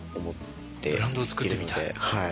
ブランドを作ってみたい？